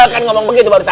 kan ngomong begitu barusan